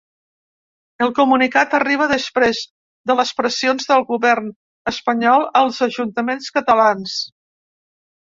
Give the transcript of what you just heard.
El comunicat arriba després de les pressions del govern espanyol als ajuntaments catalans.